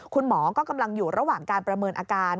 คุณหมอก็กำลังอยู่ระหว่างการประเมินอาการ